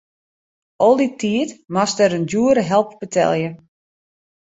Al dy tiid moast er in djoere help betelje.